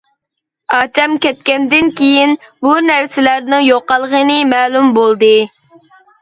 ئاچام كەتكىنىدىن كېيىن بۇ نەرسىلەرنىڭ يوقالغىنى مەلۇم بولدى.